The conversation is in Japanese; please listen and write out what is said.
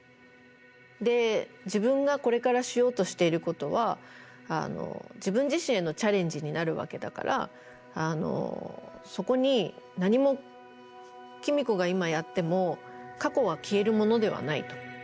で自分がこれからしようとしていることは自分自身へのチャレンジになるわけだからそこに何も公子が今やっても過去は消えるものではないと。